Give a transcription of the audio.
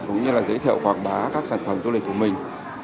cũng như là giới thiệu quảng bá các sản phẩm du lịch của mình